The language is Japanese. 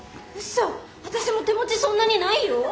うそ私も手持ちそんなにないよ？